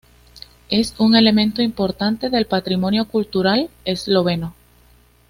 Es un elemento importante del patrimonio cultural esloveno.